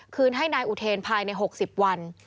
คืนให้นายอุเทนภายใน๖๐วัน